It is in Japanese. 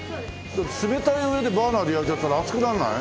冷たい上でバーナーで焼いちゃったら熱くなんない？